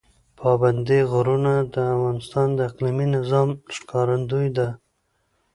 پابندی غرونه د افغانستان د اقلیمي نظام ښکارندوی ده.